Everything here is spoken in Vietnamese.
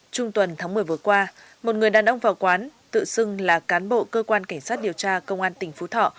trung tuần tháng một mươi vừa qua một người đàn ông vào quán tự xưng là cán bộ cơ quan cảnh sát điều tra công an tỉnh phú thọ